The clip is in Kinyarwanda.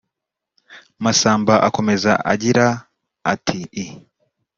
Masamba akomeza agira atai